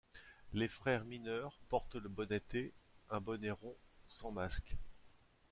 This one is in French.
Les frères mineurs portent le bonnete, un bonnet rond, sans masque.